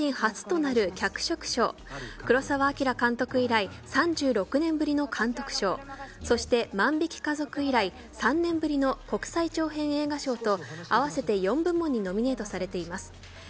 他にも、日本人初なる脚色賞黒澤明監督以来３６年ぶりの監督賞、そして万引き家族以来３年ぶりの国際長編映画賞と合わせて４部門にノミネートされています。